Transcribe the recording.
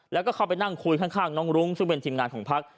แล้วก็เข้าไปนั่งคุยข้างน้องรุ้งซึ่งเป็นทีมงานของพัก